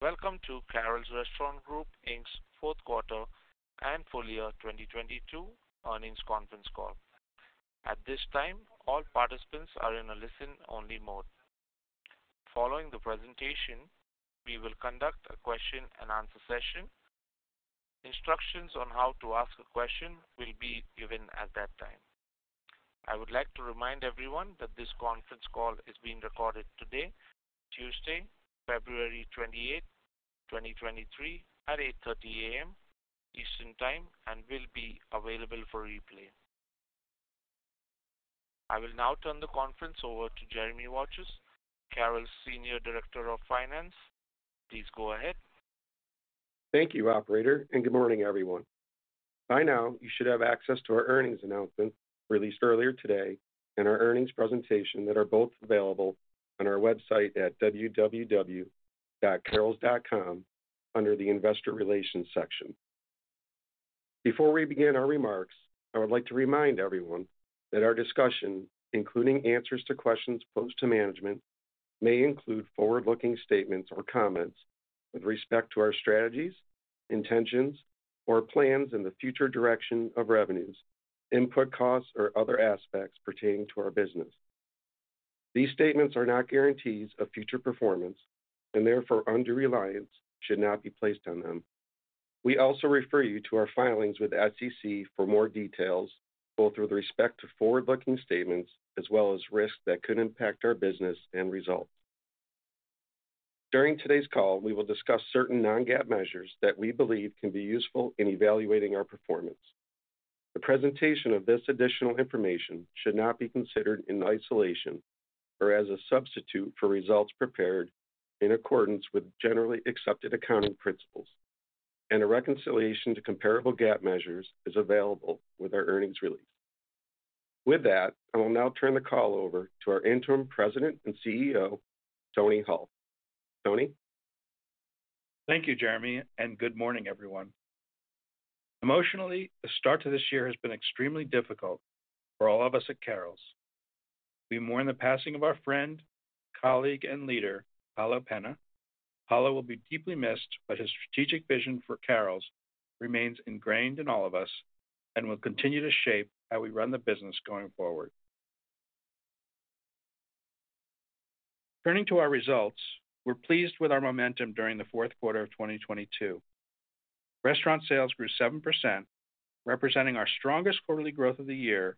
Welcome to Carrols Restaurant Group Inc.'s fourth quarter and full year 2022 earnings conference call. At this time, all participants are in a listen-only mode. Following the presentation, we will conduct a question-and-answer session. Instructions on how to ask a question will be given at that time. I would like to remind everyone that this conference call is being recorded today, Tuesday, February 28, 2023 at 8:30 A.M. Eastern Time and will be available for replay. I will now turn the conference over to Jeremy Watchus, Carrols Senior Director of Finance. Please go ahead. Thank you, operator, and good morning, everyone. By now, you should have access to our earnings announcement released earlier today and our earnings presentation that are both available on our website at www.carrols.com under the Investor Relations section. Before we begin our remarks, I would like to remind everyone that our discussion, including answers to questions posed to management, may include forward-looking statements or comments with respect to our strategies, intentions, or plans in the future direction of revenues, input costs, or other aspects pertaining to our business. These statements are not guarantees of future performance, and therefore, undue reliance should not be placed on them. We also refer you to our filings with SEC for more details, both with respect to forward-looking statements as well as risks that could impact our business and results. During today's call, we will discuss certain non-GAAP measures that we believe can be useful in evaluating our performance. The presentation of this additional information should not be considered in isolation or as a substitute for results prepared in accordance with Generally Accepted Accounting Principles, and a reconciliation to comparable GAAP measures is available with our earnings release. With that, I will now turn the call over to our interim president and CEO, Tony Hull. Tony? Thank you, Jeremy. Good morning, everyone. Emotionally, the start to this year has been extremely difficult for all of us at Carrols. We mourn the passing of our friend, colleague, and leader, Paulo Pena. Paulo will be deeply missed, his strategic vision for Carrols remains ingrained in all of us and will continue to shape how we run the business going forward. Turning to our results, we're pleased with our momentum during the fourth quarter of 2022. Restaurant sales grew 7%, representing our strongest quarterly growth of the year,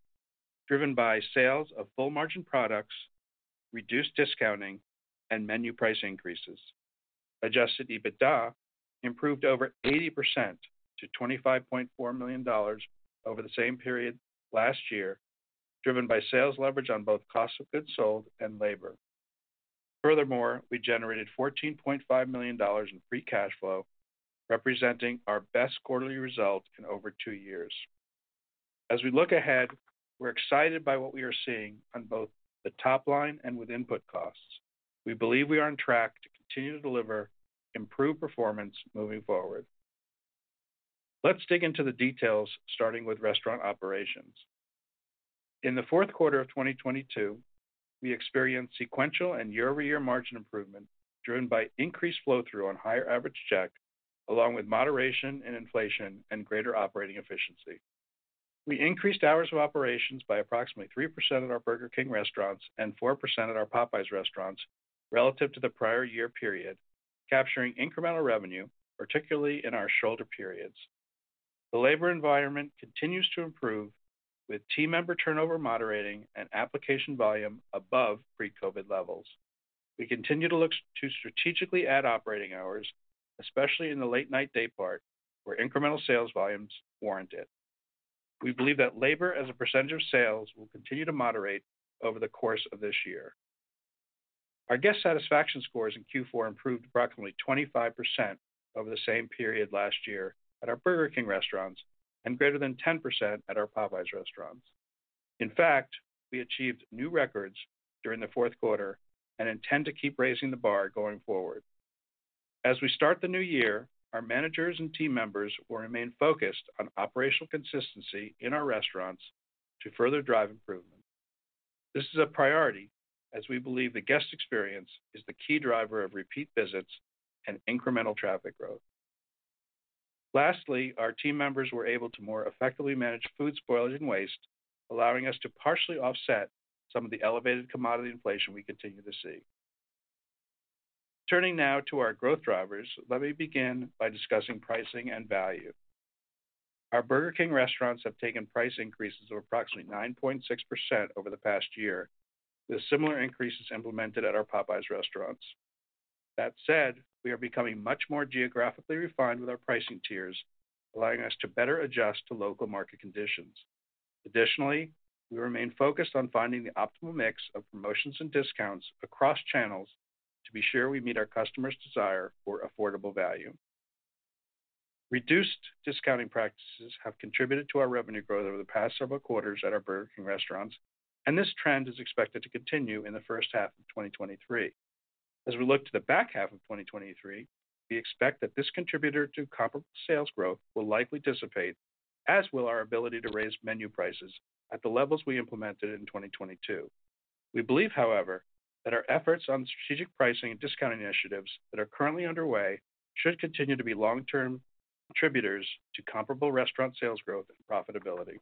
driven by sales of full margin products, reduced discounting, and menu price increases. Adjusted EBITDA improved over 80% to $25.4 million over the same period last year, driven by sales leverage on both cost of goods sold and labor. Furthermore, we generated $14.5 million in free cash flow, representing our best quarterly result in over two years. As we look ahead, we're excited by what we are seeing on both the top line and with input costs. We believe we are on track to continue to deliver improved performance moving forward. Let's dig into the details, starting with restaurant operations. In the fourth quarter of 2022, we experienced sequential and year-over-year margin improvement driven by increased flow-through on higher average check, along with moderation in inflation and greater operating efficiency. We increased hours of operations by approximately 3% at our Burger King restaurants and 4% at our Popeyes restaurants relative to the prior year period, capturing incremental revenue, particularly in our shoulder periods. The labor environment continues to improve with team member turnover moderating and application volume above pre-COVID levels. We continue to look to strategically add operating hours, especially in the late night daypart, where incremental sales volumes warrant it. We believe that labor as a percentage of sales will continue to moderate over the course of this year. Our guest satisfaction scores in Q4 improved approximately 25% over the same period last year at our Burger King restaurants and greater than 10% at our Popeyes restaurants. In fact, we achieved new records during the fourth quarter and intend to keep raising the bar going forward. As we start the new year, our managers and team members will remain focused on operational consistency in our restaurants to further drive improvement. This is a priority as we believe the guest experience is the key driver of repeat visits and incremental traffic growth. Lastly, our team members were able to more effectively manage food spoilage and waste, allowing us to partially offset some of the elevated commodity inflation we continue to see. Turning now to our growth drivers, let me begin by discussing pricing and value. Our Burger King restaurants have taken price increases of approximately 9.6% over the past year, with similar increases implemented at our Popeyes restaurants. That said, we are becoming much more geographically refined with our pricing tiers, allowing us to better adjust to local market conditions. Additionally, we remain focused on finding the optimal mix of promotions and discounts across channels to be sure we meet our customers' desire for affordable value. Reduced discounting practices have contributed to our revenue growth over the past several quarters at our Burger King restaurants, and this trend is expected to continue in the first half of 2023. As we look to the back half of 2023, we expect that this contributor to comparable sales growth will likely dissipate, as will our ability to raise menu prices at the levels we implemented in 2022. We believe, however, that our efforts on strategic pricing and discounting initiatives that are currently underway should continue to be long-term contributors to comparable restaurant sales growth and profitability.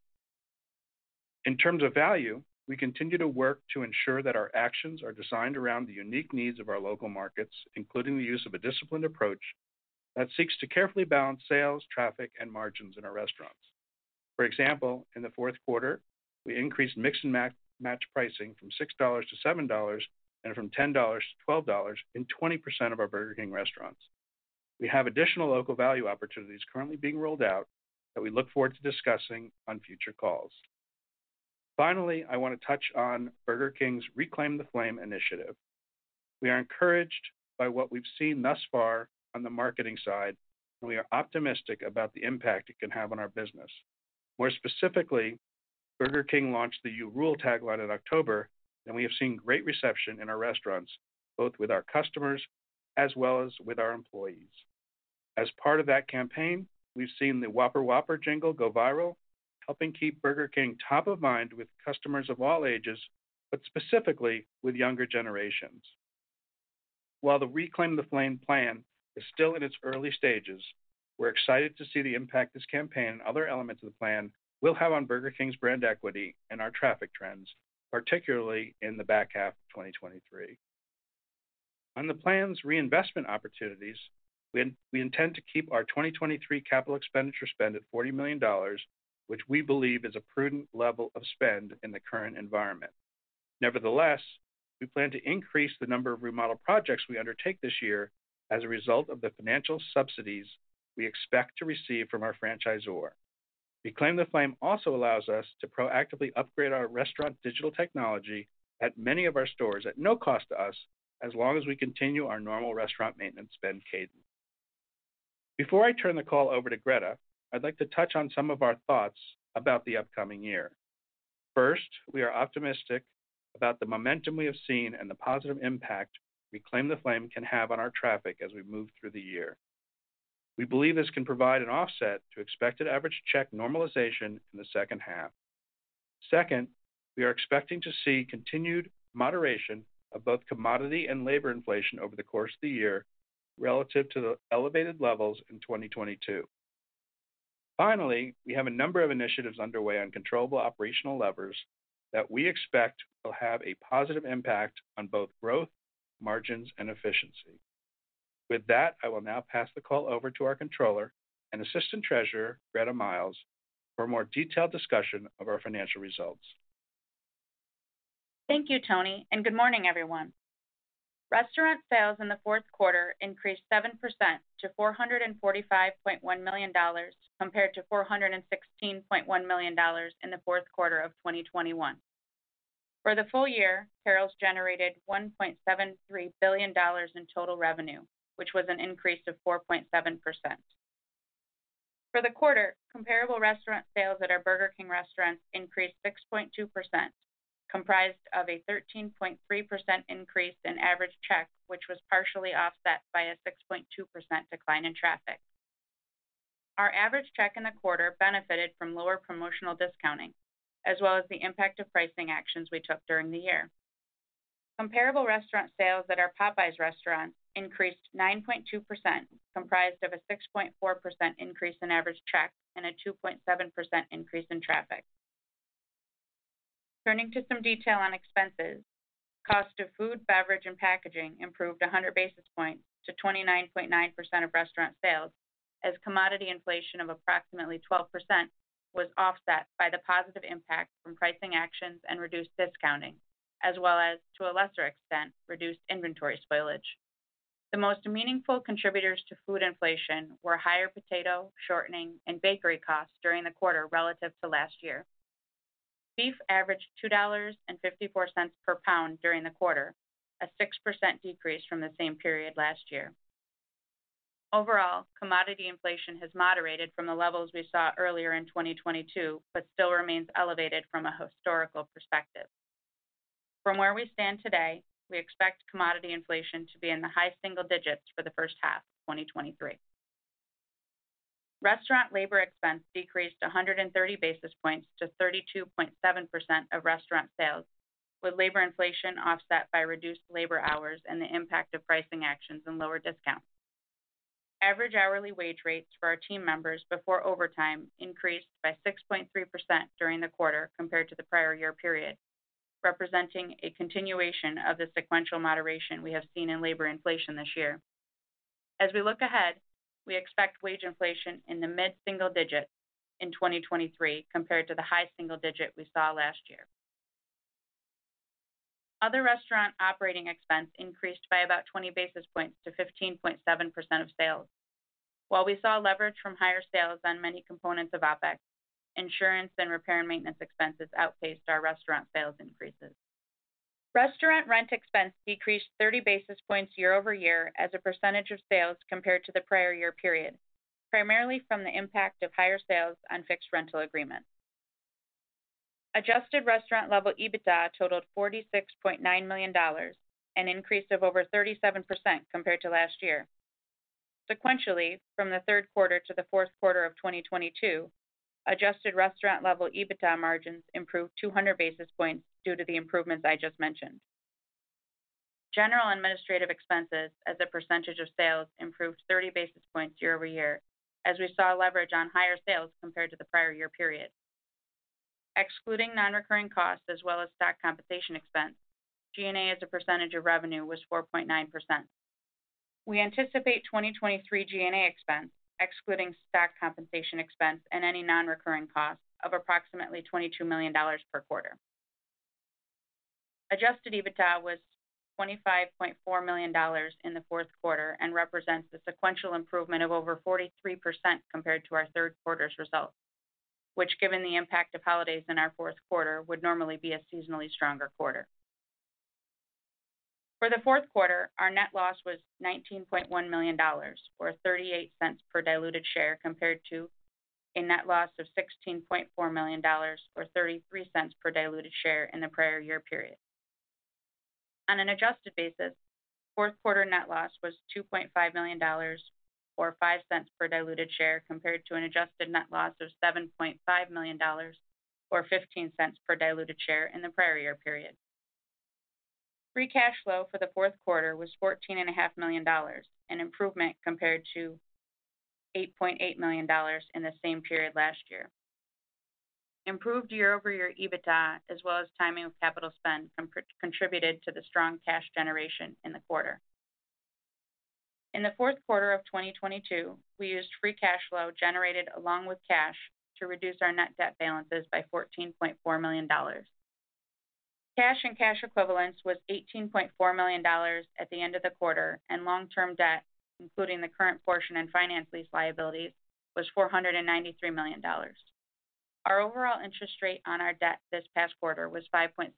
In terms of value, we continue to work to ensure that our actions are designed around the unique needs of our local markets, including the use of a disciplined approach that seeks to carefully balance sales, traffic, and margins in our restaurants. For example, in the fourth quarter, we increased mix-and-match pricing from $6 to $7 and from $10 to $12 in 20% of our Burger King restaurants. We have additional local value opportunities currently being rolled out that we look forward to discussing on future calls. Finally, I want to touch on Burger King's Reclaim the Flame initiative. We are encouraged by what we've seen thus far on the marketing side. We are optimistic about the impact it can have on our business. More specifically, Burger King launched the You Rule tagline in October. We have seen great reception in our restaurants, both with our customers as well as with our employees. As part of that campaign, we've seen the Whopper Whopper jingle go viral, helping keep Burger King top of mind with customers of all ages, but specifically with younger generations. While the Reclaim the Flame plan is still in its early stages, we're excited to see the impact this campaign and other elements of the plan will have on Burger King's brand equity and our traffic trends, particularly in the back half of 2023. On the plan's reinvestment opportunities, we intend to keep our 2023 capital expenditure spend at $40 million, which we believe is a prudent level of spend in the current environment. Nevertheless, we plan to increase the number of remodel projects we undertake this year as a result of the financial subsidies we expect to receive from our franchisor. Reclaim the Flame also allows us to proactively upgrade our restaurant digital technology at many of our stores at no cost to us as long as we continue our normal restaurant maintenance spend cadence. Before I turn the call over to Gretta, I'd like to touch on some of our thoughts about the upcoming year. We are optimistic about the momentum we have seen and the positive impact Reclaim the Flame can have on our traffic as we move through the year. We believe this can provide an offset to expected average check normalization in the second half. We are expecting to see continued moderation of both commodity and labor inflation over the course of the year relative to the elevated levels in 2022. We have a number of initiatives underway on controllable operational levers that we expect will have a positive impact on both growth, margins, and efficiency. I will now pass the call over to our controller and assistant treasurer, Gretta Miles, for a more detailed discussion of our financial results. Thank you, Tony. Good morning, everyone. Restaurant sales in the fourth quarter increased 7% to $445.1 million compared to $416.1 million in the fourth quarter of 2021. For the full year, Carrols generated $1.73 billion in total revenue, which was an increase of 4.7%. For the quarter, comparable restaurant sales at our Burger King restaurants increased 6.2%, comprised of a 13.3% increase in average check, which was partially offset by a 6.2% decline in traffic. Our average check in the quarter benefited from lower promotional discounting, as well as the impact of pricing actions we took during the year. Comparable restaurant sales at our Popeyes restaurants increased 9.2%, comprised of a 6.4% increase in average check and a 2.7% increase in traffic. Turning to some detail on expenses, cost of food, beverage, and packaging improved 100 basis points to 29.9% of restaurant sales as commodity inflation of approximately 12% was offset by the positive impact from pricing actions and reduced discounting as well as, to a lesser extent, reduced inventory spoilage. The most meaningful contributors to food inflation were higher potato, shortening, and bakery costs during the quarter relative to last year. Beef averaged $2.54 per pound during the quarter, a 6% decrease from the same period last year. Overall, commodity inflation has moderated from the levels we saw earlier in 2022 but still remains elevated from a historical perspective. From where we stand today, we expect commodity inflation to be in the high single digits for the first half of 2023. Restaurant labor expense decreased 130 basis points to 32.7% of restaurant sales, with labor inflation offset by reduced labor hours and the impact of pricing actions and lower discounts. Average hourly wage rates for our team members before overtime increased by 6.3% during the quarter compared to the prior year period, representing a continuation of the sequential moderation we have seen in labor inflation this year. As we look ahead, we expect wage inflation in the mid-single digits in 2023 compared to the high single digit we saw last year. Other restaurant operating expense increased by about 20 basis points to 15.7% of sales. While we saw leverage from higher sales on many components of OpEx, insurance and repair and maintenance expenses outpaced our restaurant sales increases. Restaurant rent expense decreased 30 basis points year-over-year as a percentage of sales compared to the prior year period, primarily from the impact of higher sales on fixed rental agreements. Adjusted restaurant-level EBITDA totaled $46.9 million, an increase of over 37% compared to last year. Sequentially, from the third quarter to the fourth quarter of 2022, Adjusted restaurant-level EBITDA margins improved 200 basis points due to the improvements I just mentioned. General administrative expenses as a percentage of sales improved 30 basis points year-over-year as we saw leverage on higher sales compared to the prior year period. Excluding non-recurring costs as well as stock compensation expense, G&A as a percentage of revenue was 4.9%. We anticipate 2023 G&A expense, excluding stock compensation expense and any non-recurring costs, of approximately $22 million per quarter. Adjusted EBITDA was $25.4 million in the fourth quarter and represents a sequential improvement of over 43% compared to our third quarter's results, which, given the impact of holidays in our fourth quarter, would normally be a seasonally stronger quarter. For the fourth quarter, our net loss was $19.1 million or $0.38 per diluted share, compared to a net loss of $16.4 million or $0.33 per diluted share in the prior year period. On an adjusted basis, fourth quarter net loss was $2.5 million or $0.05 per diluted share, compared to an adjusted net loss of $7.5 million or $0.15 per diluted share in the prior year period. Free cash flow for the fourth quarter was $14.5 million, an improvement compared to $8.8 million in the same period last year. Improved year-over-year EBITDA, as well as timing of capital spend, contributed to the strong cash generation in the quarter. In the fourth quarter of 2022, we used free cash flow generated along with cash to reduce our net debt balances by $14.4 million. Cash and cash equivalents was $18.4 million at the end of the quarter, and long-term debt, including the current portion and finance lease liabilities, was $493 million. Our overall interest rate on our debt this past quarter was 5.6%,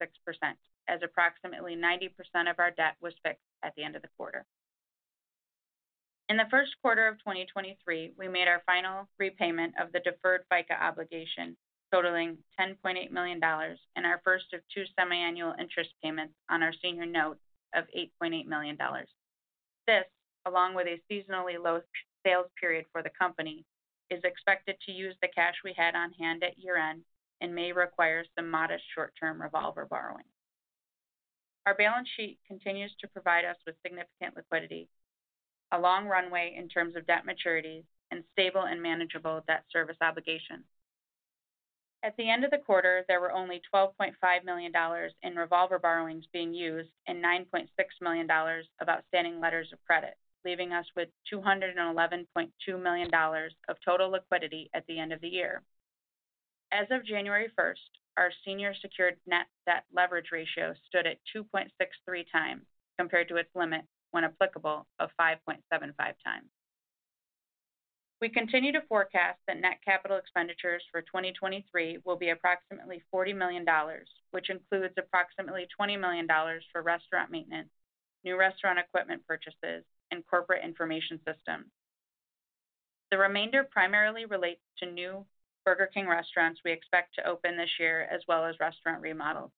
as approximately 90% of our debt was fixed at the end of the quarter. In the first quarter of 2023, we made our final repayment of the deferred FICA obligation totaling $10.8 million in our first of two semiannual interest payments on our senior note of $8.8 million. This, along with a seasonally low sales period for the company, is expected to use the cash we had on hand at year-end and may require some modest short-term revolver borrowing. Our balance sheet continues to provide us with significant liquidity, a long runway in terms of debt maturities, and stable and manageable debt service obligations. At the end of the quarter, there were only $12.5 million in revolver borrowings being used and $9.6 million of outstanding letters of credit, leaving us with $211.2 million of total liquidity at the end of the year. As of January 1st, our senior secured net debt leverage ratio stood at 2.63x compared to its limit when applicable of 5.75x. We continue to forecast that net capital expenditures for 2023 will be approximately $40 million, which includes approximately $20 million for restaurant maintenance, new restaurant equipment purchases, and corporate information systems. The remainder primarily relates to new Burger King restaurants we expect to open this year, as well as restaurant remodels.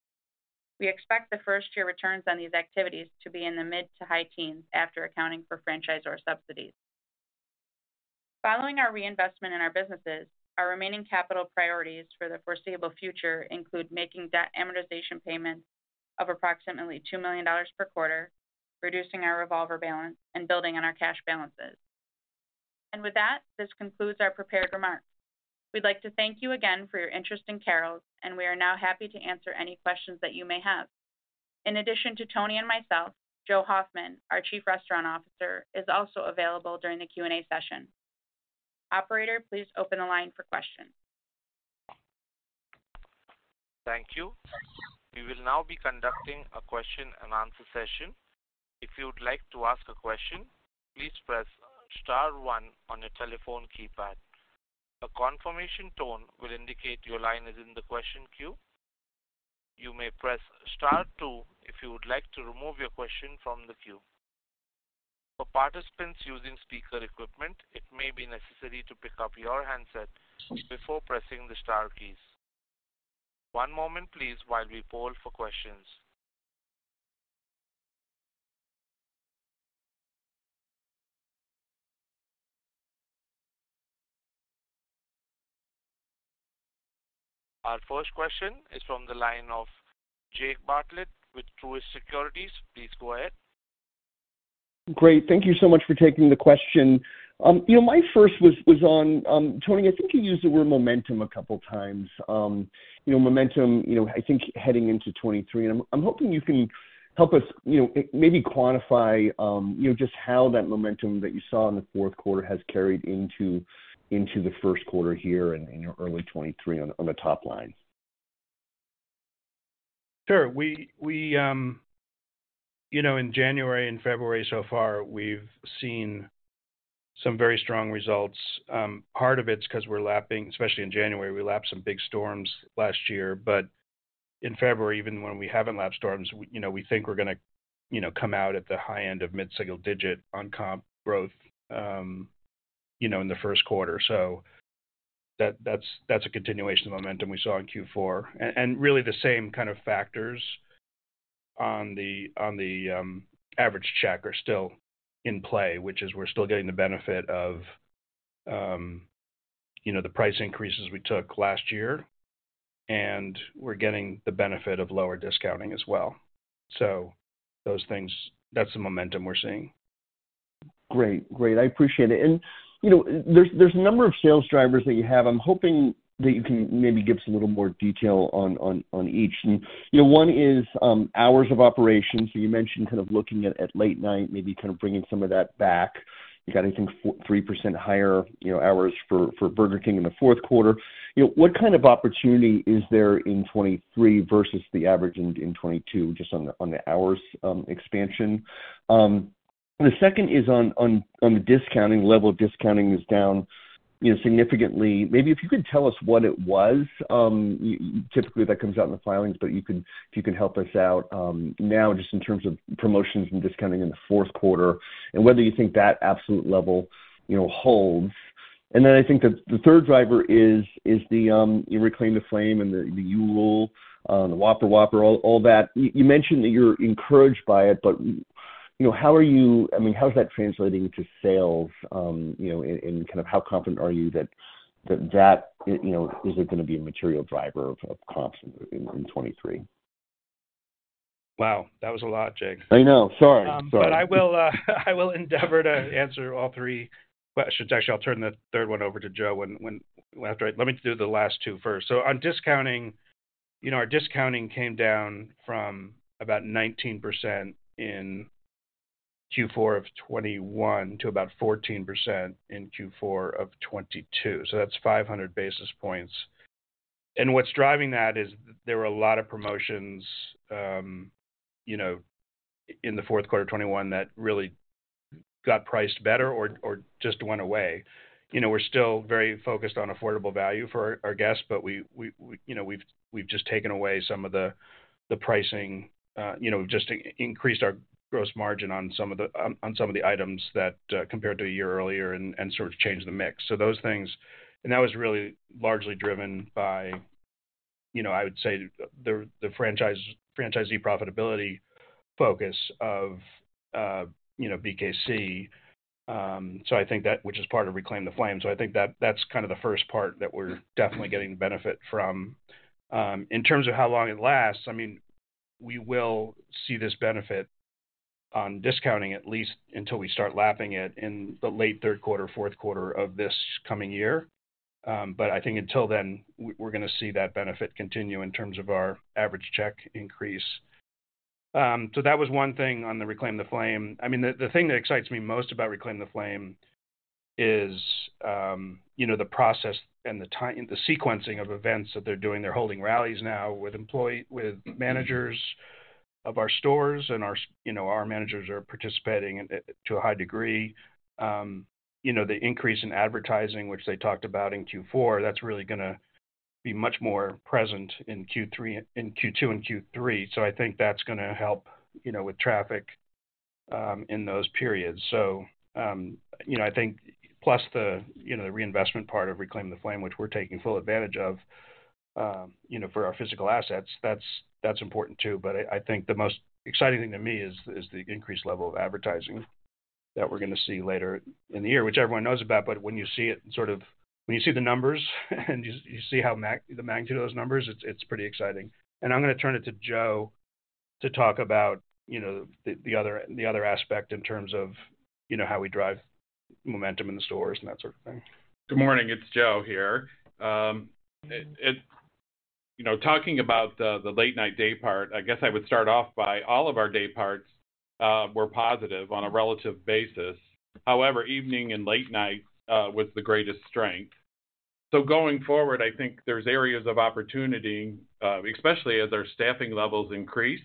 We expect the first-year returns on these activities to be in the mid to high teens after accounting for franchisor subsidies. Following our reinvestment in our businesses, our remaining capital priorities for the foreseeable future include making debt amortization payments of approximately $2 million per quarter, reducing our revolver balance, and building on our cash balances. With that, this concludes our prepared remarks. We'd like to thank you again for your interest in Carrols, and we are now happy to answer any questions that you may have. In addition to Tony and myself, Joseph Hoffman, our Chief Restaurant Officer, is also available during the Q&A session. Operator, please open the line for questions. Thank you. We will now be conducting a question and answer session. If you would like to ask a question, please press star one on your telephone keypad. A confirmation tone will indicate your line is in the question queue. You may press star two if you would like to remove your question from the queue. For participants using speaker equipment, it may be necessary to pick up your handset before pressing the star keys. One moment please while we poll for questions. Our first question is from the line of Jake Bartlett with Truist Securities. Please go ahead. Great. Thank you so much for taking the question. You know, my first was on Tony, I think you used the word momentum a couple times. You know, momentum, you know, I think heading into 2023. I'm hoping you can help us, you know, maybe quantify, you know, just how that momentum that you saw in the fourth quarter has carried into the first quarter here in early 2023 on the top line. Sure. We, you know, in January and February so far, we've seen some very strong results. Part of it's 'cause we're lapping, especially in January, we lapped some big storms last year. In February, even when we haven't lapped storms, we, you know, we think we're gonna, you know, come out at the high end of mid-single digit on comp growth, you know, in the first quarter. That's a continuation of momentum we saw in Q4. Really the same kind of factors. On the average check are still in play, which is we're still getting the benefit of, you know, the price increases we took last year, and we're getting the benefit of lower discounting as well. Those things, that's the momentum we're seeing. Great. I appreciate it. You know, there's a number of sales drivers that you have. I'm hoping that you can maybe give us a little more detail on each. You know, one is hours of operation. You mentioned kind of looking at late night, maybe kind of bringing some of that back. You got, I think, 3% higher, you know, hours for Burger King in the fourth quarter. You know, what kind of opportunity is there in 2023 versus the average in 2022 just on the hours expansion? The second is on the discounting. Level of discounting is down, you know, significantly. Maybe if you could tell us what it was, typically that comes out in the filings, but if you can help us out, now just in terms of promotions and discounting in the fourth quarter and whether you think that absolute level, you know, holds. And then I think the third driver is Reclaim the Flame and the You Rule, the Whopper Whopper, all that. You mentioned that you're encouraged by it, but, you know, I mean, how is that translating to sales, you know, and kind of how confident are you that that that, you know, is it gonna be a material driver of comps in 2023? Wow, that was a lot, Jake. I know. Sorry. I will endeavor to answer all 3 questions. Actually, I'll turn the third one over to Joe after I let me do the last 2 first. On discounting, you know, our discounting came down from about 19% in Q4 of 2021 to about 14% in Q4 of 2022. That's 500 basis points. What's driving that is there were a lot of promotions, you know, in the fourth quarter of 2021 that really got priced better or just went away. You know, we're still very focused on affordable value for our guests, but we, you know, we've just taken away some of the pricing, you know, just increased our gross margin on some of the items that, compared to a year earlier and sort of changed the mix. Those things. That was really largely driven by, you know, I would say the franchisee profitability focus of, you know, BKC. I think that, which is part of Reclaim the Flame. I think that's kind of the first part that we're definitely getting the benefit from. In terms of how long it lasts, I mean, we will see this benefit on discounting at least until we start lapping it in the late third quarter, fourth quarter of this coming year. I think until then, we're gonna see that benefit continue in terms of our average check increase. That was one thing on the Reclaim the Flame. I mean, the thing that excites me most about Reclaim the Flame is, you know, the process and the sequencing of events that they're doing. They're holding rallies now with managers of our stores, and our, you know, our managers are participating at, to a high degree. The increase in advertising, which they talked about in Q4, that's really gonna be much more present in Q2 and Q3. I think that's gonna help, you know, with traffic in those periods. You know, I think plus the, you know, the reinvestment part of Reclaim the Flame, which we're taking full advantage of, you know, for our physical assets, that's important too. I think the most exciting thing to me is the increased level of advertising that we're gonna see later in the year, which everyone knows about, but when you see the numbers and you see how the magnitude of those numbers, it's pretty exciting. I'm gonna turn it to Joe to talk about, you know, the other aspect in terms of, you know, how we drive momentum in the stores and that sort of thing. Good morning. It's Joe here. You know, talking about the late night day part, I guess I would start off by all of our day parts were positive on a relative basis. Evening and late night was the greatest strength. Going forward, I think there's areas of opportunity, especially as our staffing levels increase.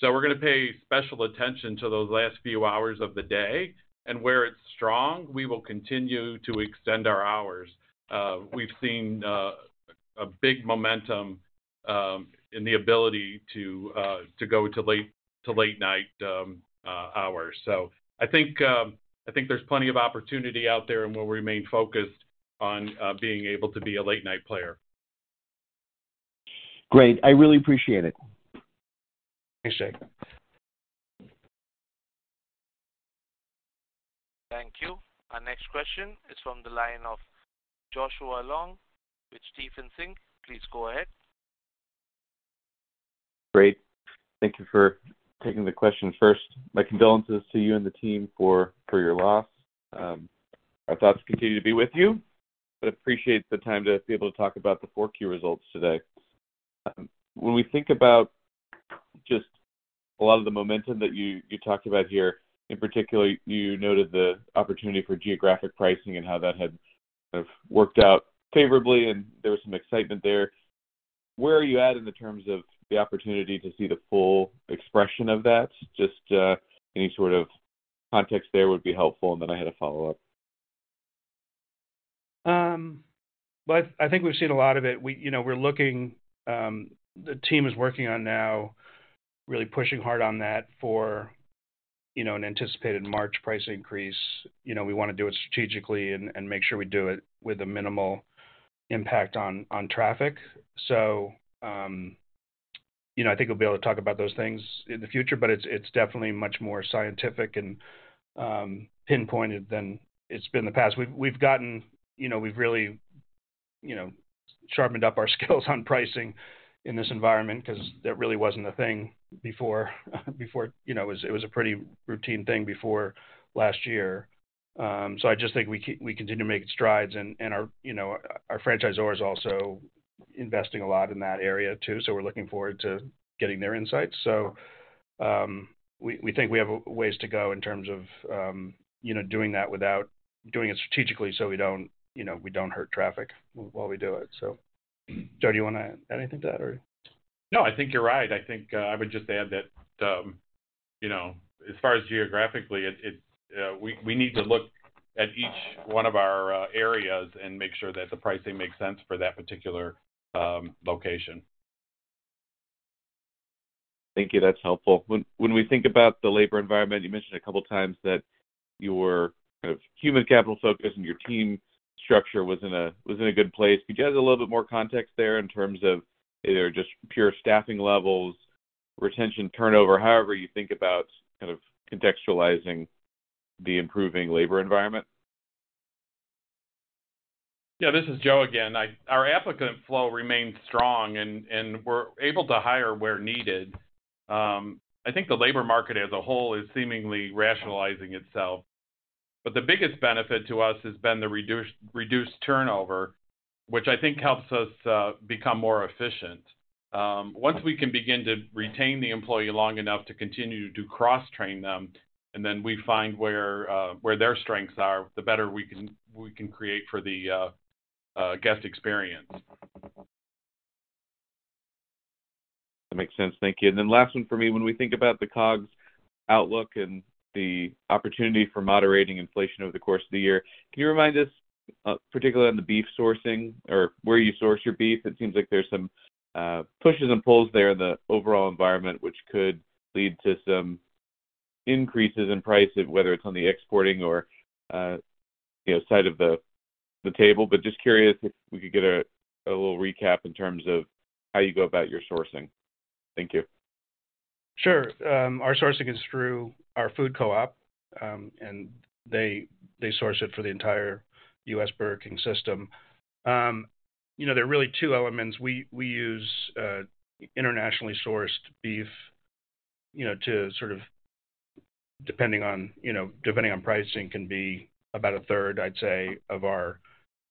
We're gonna pay special attention to those last few hours of the day. Where it's strong, we will continue to extend our hours. We've seen a big momentum in the ability to go to late night hours. I think there's plenty of opportunity out there, and we'll remain focused on being able to be a late night player. Great. I really appreciate it. Thanks, Jake. Thank you. Our next question is from the line of Joshua Long with Jefferies. Please go ahead. Great. Thank you for taking the question. First, my condolences to you and the team for your loss. Our thoughts continue to be with you. Appreciate the time to be able to talk about the 4Q results today. When we think about just a lot of the momentum that you talked about here, in particular, you noted the opportunity for geographic pricing and how that had sort of worked out favorably, and there was some excitement there. Where are you at in the terms of the opportunity to see the full expression of that? Just any sort of context there would be helpful, and then I had a follow-up. I think we've seen a lot of it. We, you know, we're looking... The team is working on now really pushing hard on that for, you know, an anticipated March price increase, you know, we wanna do it strategically and make sure we do it with a minimal impact on traffic. You know, I think we'll be able to talk about those things in the future, but it's definitely much more scientific and pinpointed than it's been in the past. We've gotten. You know, we've really, you know, sharpened up our skills on pricing in this environment because that really wasn't a thing before. You know, it was a pretty routine thing before last year. I just think we continue to make strides and our, you know, our franchisor is also investing a lot in that area too, so we're looking forward to getting their insights. We think we have a ways to go in terms of, you know, doing that without doing it strategically so we don't, you know, we don't hurt traffic while we do it. Joe, do you wanna add anything to that or? No, I think you're right. I think, I would just add that, you know, as far as geographically we need to look at each one of our areas and make sure that the pricing makes sense for that particular location. Thank you. That's helpful. When we think about the labor environment, you mentioned a couple of times that your kind of human capital focus and your team structure was in a good place. Could you add a little bit more context there in terms of either just pure staffing levels, retention, turnover, however you think about kind of contextualizing the improving labor environment? Yeah, this is Joe again. Our applicant flow remains strong and we're able to hire where needed. I think the labor market as a whole is seemingly rationalizing itself. The biggest benefit to us has been the reduced turnover, which I think helps us become more efficient. Once we can begin to retain the employee long enough to continue to cross-train them, we find where their strengths are, the better we can create for the guest experience. That makes sense. Thank you. Last one for me. When we think about the COGS outlook and the opportunity for moderating inflation over the course of the year, can you remind us, particularly on the beef sourcing or where you source your beef, it seems like there's some, pushes and pulls there in the overall environment, which could lead to some increases in price, whether it's on the exporting or, you know, side of the table. Just curious if we could get a little recap in terms of how you go about your sourcing. Thank you. Sure. Our sourcing is through our food co-op, they source it for the entire U.S. Burger King system. You know, there are really two elements. We use internationally sourced beef, you know, to sort of, depending on, you know, depending on pricing, can be about 1/3, I'd say, of our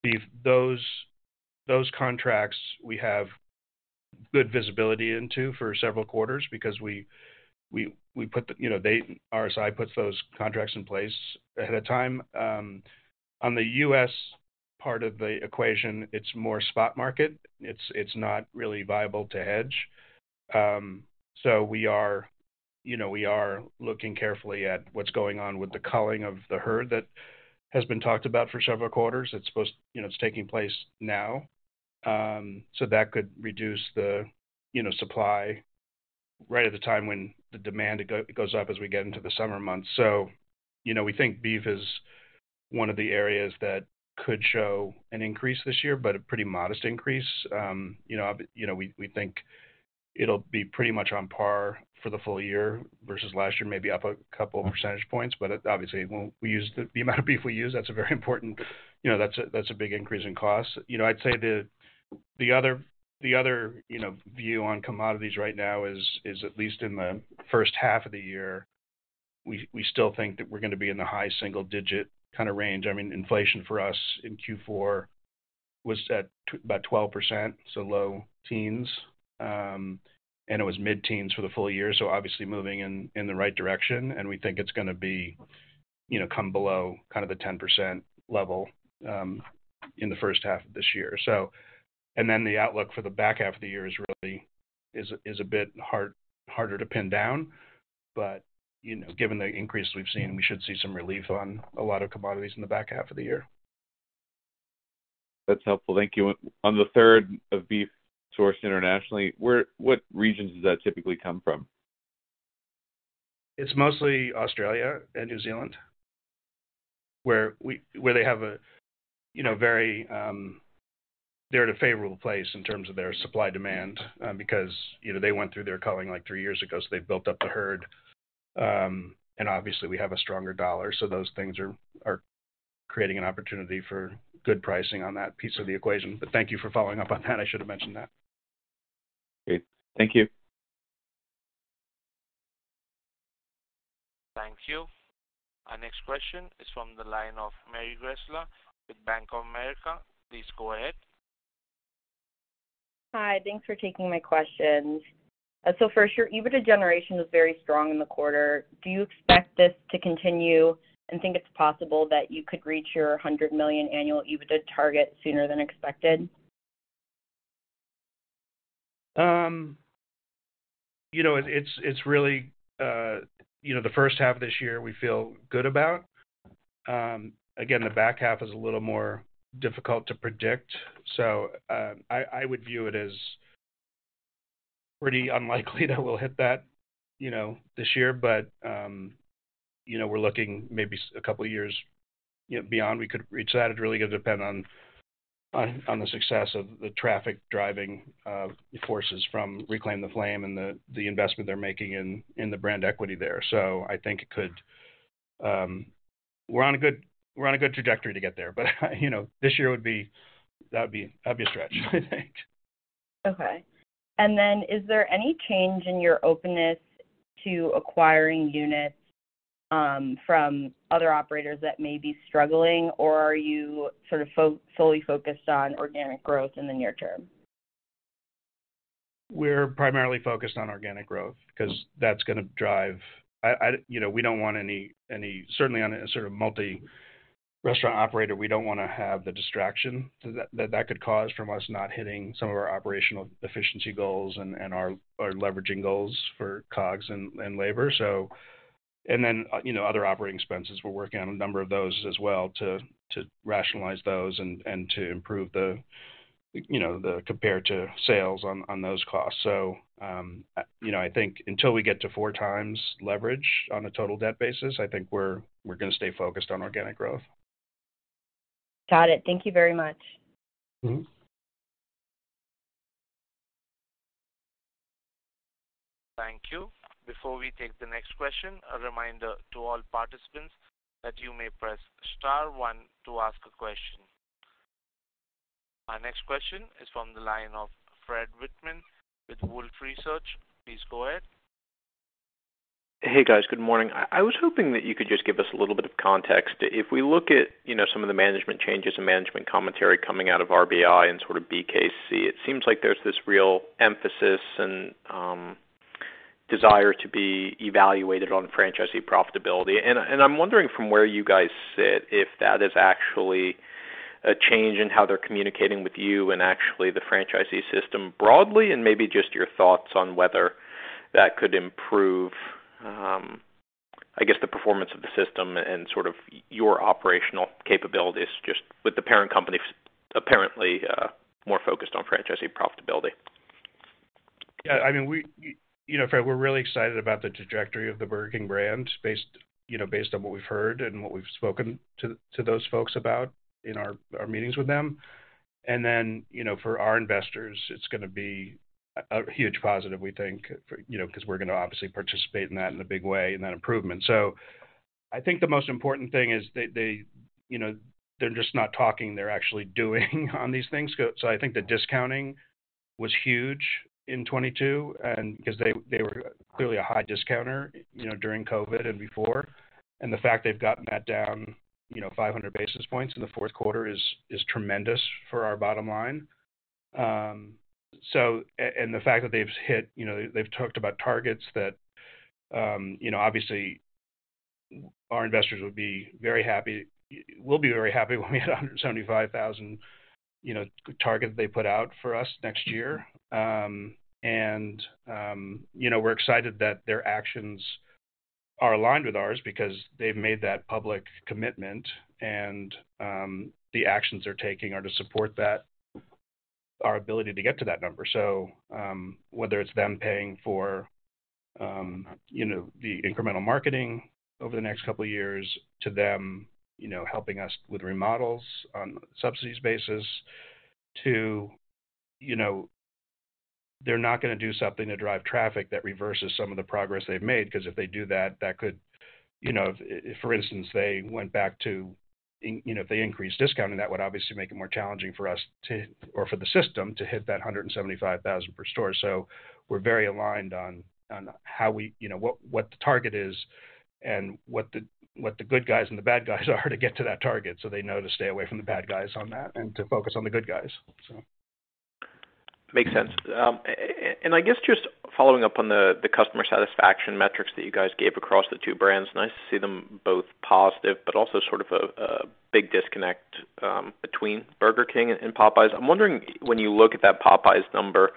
beef. Those contracts we have good visibility into for several quarters because we put the, you know, RSI puts those contracts in place ahead of time. On the U.S. part of the equation, it's more spot market. It's not really viable to hedge. We are, you know, we are looking carefully at what's going on with the culling of the herd that has been talked about for several quarters. It's supposed, you know, it's taking place now. That could reduce the, you know, supply right at the time when the demand goes up as we get into the summer months. We think beef is one of the areas that could show an increase this year, but a pretty modest increase. You know, we think it'll be pretty much on par for the full year versus last year, maybe up a couple of percentage points. Obviously, when we use the amount of beef we use, that's a very important, you know, that's a, that's a big increase in cost. You know, I'd say the other, you know, view on commodities right now is, at least in the first half of the year, we still think that we're gonna be in the high single-digit kind of range. I mean, inflation for us in Q4 was about 12%, so low teens. It was mid-teens for the full year, so obviously moving in the right direction. We think it's gonna be, you know, come below kind of the 10% level in the first half of this year. The outlook for the back half of the year is really harder to pin down. You know, given the increase we've seen, we should see some relief on a lot of commodities in the back half of the year. That's helpful. Thank you. On the third of beef sourced internationally, what regions does that typically come from? It's mostly Australia and New Zealand, where they have a, you know, very. They're at a favorable place in terms of their supply-demand, because, you know, they went through their culling, like, 3 years ago, so they've built up the herd. Obviously we have a stronger dollar, so those things are creating an opportunity for good pricing on that piece of the equation. Thank you for following up on that. I should have mentioned that. Great. Thank you. Thank you. Our next question is from the line of Mary Hodes with Bank of America. Please go ahead. Hi. Thanks for taking my questions. First, your EBITDA generation was very strong in the quarter. Do you expect this to continue and think it's possible that you could reach your $100 million annual EBITDA target sooner than expected? You know, it's really, you know, the first half of this year, we feel good about. Again, the back half is a little more difficult to predict, so I would view it as pretty unlikely that we'll hit that, you know, this year. You know, we're looking maybe a couple of years, you know, beyond we could reach that. It'd really gonna depend on the success of the traffic driving forces from Reclaim the Flame and the investment they're making in the brand equity there. I think it could. We're on a good trajectory to get there, but, you know, this year would be that'd be a stretch, I think. Okay. Is there any change in your openness to acquiring units, from other operators that may be struggling, or are you sort of fully focused on organic growth in the near term? We're primarily focused on organic growth because that's gonna drive. You know, we don't want any. Certainly on a sort of multi-restaurant operator, we don't wanna have the distraction that could cause from us not hitting some of our operational efficiency goals and our leveraging goals for COGS and labor. You know, other operating expenses. We're working on a number of those as well to rationalize those and to improve the, you know, the compared to sales on those costs. You know, I think until we get to 4 times leverage on a total debt basis, I think we're gonna stay focused on organic growth. Got it. Thank Thank you very much. Mm-hmm. Thank you. Before we take the next question, a reminder to all participants that you may press star one to ask a question. Our next question is from the line of Fred Wightman with Wolfe Research. Please go ahead. Hey, guys. Good morning. I was hoping that you could just give us a little bit of context. If we look at, you know, some of the management changes and management commentary coming out of RBI and sort of BKC, it seems like there's this real emphasis and desire to be evaluated on franchisee profitability. I'm wondering from where you guys sit, if that is actually a change in how they're communicating with you and actually the franchisee system broadly, and maybe just your thoughts on whether that could improve, I guess, the performance of the system and sort of your operational capabilities just with the parent company apparently more focused on franchisee profitability. I mean, you know, Fred, we're really excited about the trajectory of the Burger King brand based, you know, based on what we've heard and what we've spoken to those folks about in our meetings with them. You know, for our investors, it's gonna be a huge positive, we think for, you know, 'cause we're gonna obviously participate in that in a big way, in that improvement. I think the most important thing is they, you know, they're just not talking, they're actually doing on these things. I think the discounting was huge in 2022, and because they were clearly a high discounter, you know, during COVID and before. The fact they've gotten that down, you know, 500 basis points in the fourth quarter is tremendous for our bottom line. And the fact that they've hit, you know, they've talked about targets that, you know, obviously our investors would be very happy. We'll be very happy when we hit 175,000, you know, target they put out for us next year. And, you know, we're excited that their actions are aligned with ours because they've made that public commitment and the actions they're taking are to support that, our ability to get to that number. Whether it's them paying for, you know, the incremental marketing over the next couple of years to them, you know, helping us with remodels on subsidies basis to, you know, they're not gonna do something to drive traffic that reverses some of the progress they've made, because if they do that could, you know... If for instance, they went back to you know, if they increased discounting, that would obviously make it more challenging for us to, or for the system to hit that 175,000 per store. We're very aligned on how we, you know, what the target is and what the good guys and the bad guys are to get to that target, so they know to stay away from the bad guys on that and to focus on the good guys. Makes sense. I guess just following up on the customer satisfaction metrics that you guys gave across the two brands. Nice to see them both positive, but also sort of a big disconnect between Burger King and Popeyes. I'm wondering when you look at that Popeyes number,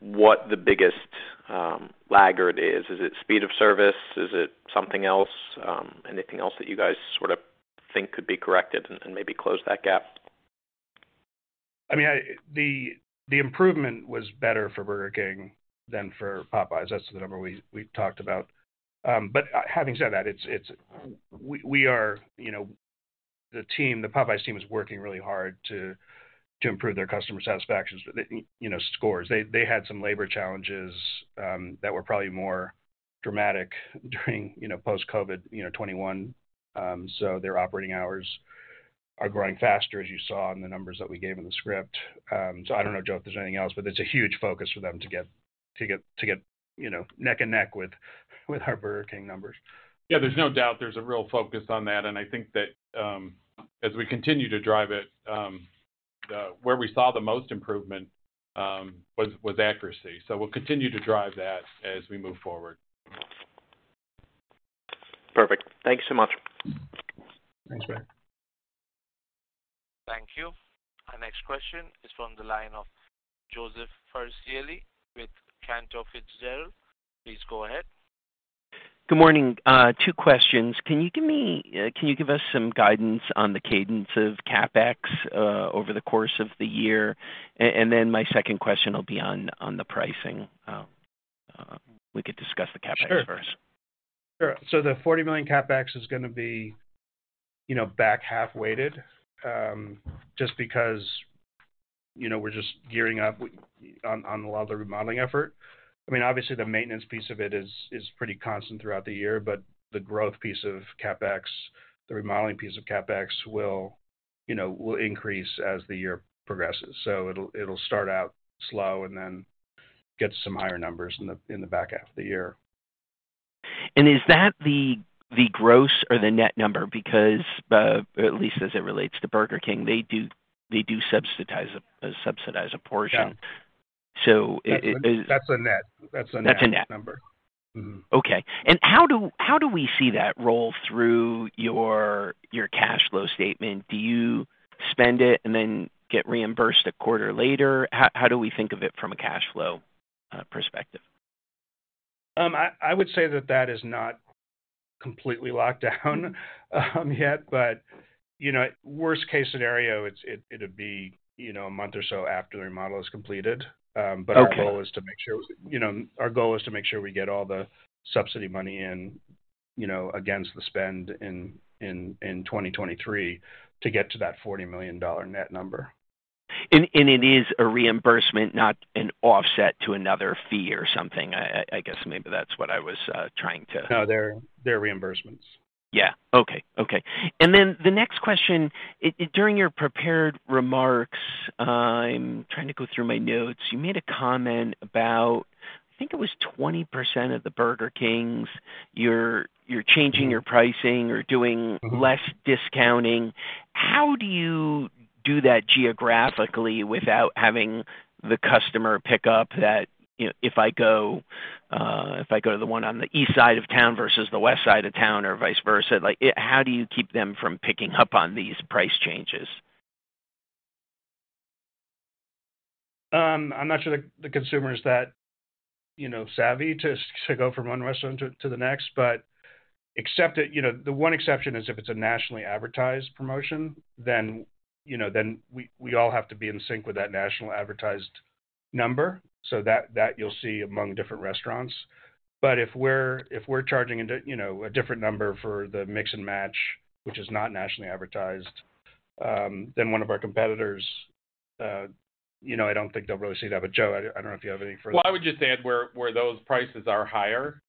what the biggest laggard is. Is it speed of service? Is it something else? Anything else that you guys sort of think could be corrected and maybe close that gap? I mean, the improvement was better for Burger King than for Popeyes. That's the number we talked about. Having said that, it's we are, you know, the team, the Popeyes team is working really hard to improve their customer satisfaction, you know, scores. They had some labor challenges that were probably more dramatic during, you know, post-COVID, you know, 2021. Their operating hours are growing faster, as you saw in the numbers that we gave in the script. I don't know, Joe, if there's anything else, it's a huge focus for them to get, you know, neck and neck with our Burger King numbers. Yeah, there's no doubt there's a real focus on that, and I think that, as we continue to drive it, where we saw the most improvement, was accuracy. We'll continue to drive that as we move forward. Perfect. Thank you so much. Thanks, Fred. Thank you. Our next question is from the line of Joseph Farricielli with Cantor Fitzgerald. Please go ahead. Good morning. Two questions. Can you give me, can you give us some guidance on the cadence of CapEx over the course of the year? My second question will be on the pricing. We could discuss the CapEx first. Sure. Sure. The $40 million CapEx is gonna be, you know, back half weighted, just because, you know, we're just gearing up on a lot of the remodeling effort. I mean, obviously the maintenance piece of it is pretty constant throughout the year. The growth piece of CapEx, the remodeling piece of CapEx will, you know, will increase as the year progresses. It'll start out slow and then get some higher numbers in the back half of the year. Is that the gross or the net number? At least as it relates to Burger King, they do subsidize a portion. Yeah. It. That's a net. That's a net number. That's a net. Mm-hmm. Okay. How do, how do we see that roll through your cash flow statement? Do you spend it and then get reimbursed a quarter later? How, how do we think of it from a cash flow perspective? I would say that that is not completely locked down yet. You know, worst case scenario, it'd be, you know, a month or so after the remodel is completed. Okay. Our goal is to make sure, you know, our goal is to make sure we get all the subsidy money in, you know, against the spend in 2023 to get to that $40 million net number. It is a reimbursement, not an offset to another fee or something. I guess maybe that's what I was trying to... No, they're reimbursements. Yeah. Okay. Okay. The next question. During your prepared remarks, I'm trying to go through my notes, you made a comment about, I think it was 20% of the Burger Kings, you're changing your pricing or doing less discounting. How do you do that geographically without having the customer pick up that, you know, if I go, if I go to the one on the east side of town versus the west side of town or vice versa, like how do you keep them from picking up on these price changes? I'm not sure the consumer is that, you know, savvy to go from one restaurant to the next. Except that, you know, the one exception is if it's a nationally advertised promotion, then, you know, then we all have to be in sync with that national advertised number. That you'll see among different restaurants. If we're charging a you know, a different number for the mix-and-match, which is not nationally advertised, than one of our competitors, you know, I don't think they'll really see that. Joe, I don't know if you have anything further. I would just add where those prices are higher,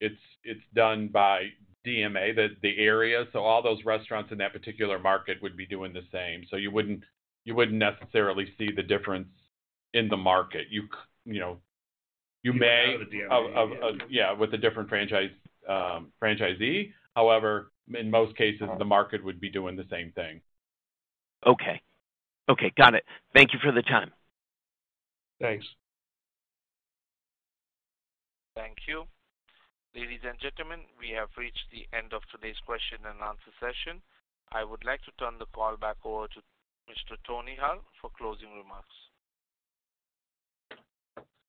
it's done by DMA, the area. All those restaurants in that particular market would be doing the same. You wouldn't necessarily see the difference in the market. You know. Out of the DMA, yeah. Yeah, with a different franchise, franchisee. In most cases, the market would be doing the same thing. Okay. Okay, got it. Thank you for the time. Thanks. Thank you. Ladies and gentlemen, we have reached the end of today's question and answer session. I would like to turn the call back over to Mr. Anthony Hull for closing remarks.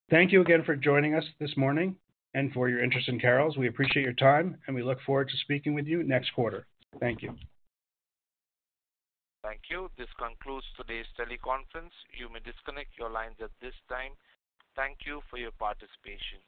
Thank you again for joining us this morning and for your interest in Carrols. We appreciate your time, and we look forward to speaking with you next quarter. Thank you. Thank you. This concludes today's teleconference. You may disconnect your lines at this time. Thank you for your participation.